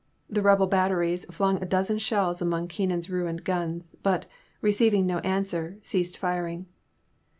The rebel batteries flung a dozen shells among Keenan's ruined guns, but, receiving no answer, ceased firing.